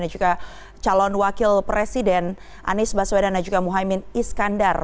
dan juga calon wakil presiden anies baseldan dan juga muhyemini skandar